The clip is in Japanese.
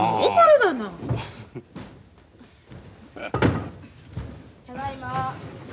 ただいま。